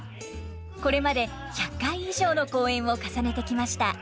これまで１００回以上の公演を重ねてきました。